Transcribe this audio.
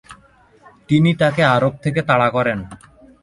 তিনি তাকে আরব থেকে তাড়া করেন।